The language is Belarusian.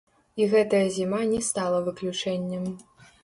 І гэтая зіма не стала выключэннем.